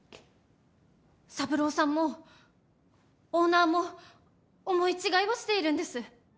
三郎さんもオーナーも思い違いをしているんです！